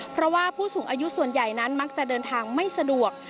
เพราะว่าผู้สูงอายุส่วนใหญ่นั้นมักจะเดินทางไม่สะดวก